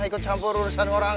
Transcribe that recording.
ikut campur urusan orang